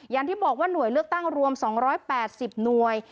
อย่างที่บอกว่าหน่วยเลือกตั้งรวม๒๘๐หน่วย